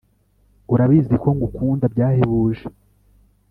urabizi ko ngukunda byahebuje